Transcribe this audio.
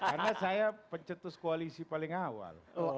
karena saya pencetus koalisi paling awal